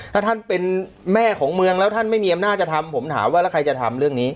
ถ้าท่านเป็นแม่ของเมืองแล้วท่านไม่มีอำนาจจะทำผมถามว่าแล้วใครจะทำเรื่องนี้